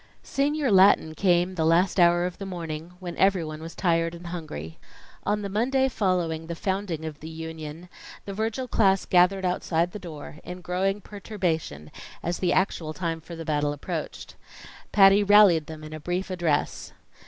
Senior Latin came the last hour of the morning, when everyone was tired and hungry. On the Monday following the founding of the Union, the Virgil class gathered outside the door, in growing perturbation as the actual time for the battle approached. Patty rallied them in a brief address.